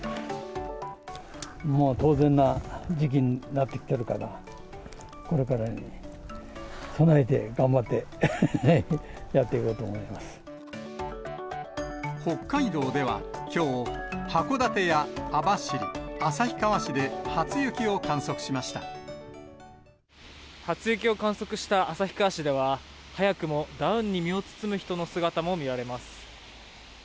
もう当然な時期になってきてるから、これから備えて、北海道では、きょう、函館や網走、初雪を観測した旭川市では、早くもダウンに身を包む人の姿も見られます。